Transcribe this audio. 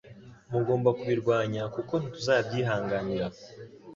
Mugomba kubirwanya kuko ntituzabyihanganira